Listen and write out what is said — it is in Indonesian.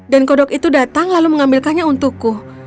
dan kodok itu datang lalu mengambilkannya untukku